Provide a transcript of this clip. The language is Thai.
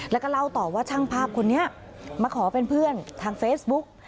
แล้วก็เล่าต่อว่าช่างภาพคนนี้มาขอเป็นเพื่อนทางเฟซบุ๊ก